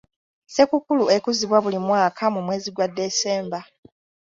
Ssekukkulu ekuzibwa buli mwaka mu mwezi gwa December.